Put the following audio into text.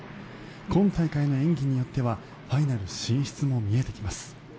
今大会の演技によってはファイナル進出も見えてきます。